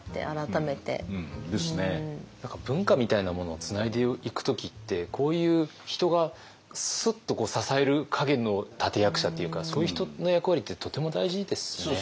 何か文化みたいなものをつないでいく時ってこういう人がスッと支える陰の立て役者っていうかそういう人の役割ってとても大事ですよね。